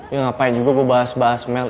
ya ngapain juga gue bahas bahas mel